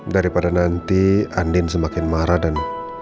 daripada nanti andin semakin marah dan